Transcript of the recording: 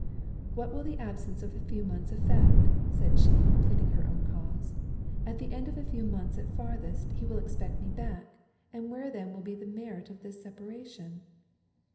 "What will the absence of a few months effect?" said she, pleading her own cause; "At the end of a few months at farthest, he will expect me back, and where then will be the merit of this separation?"